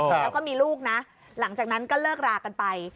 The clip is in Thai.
แล้วก็มีลูกนะหลังจากนั้นก็เลิกรากันไป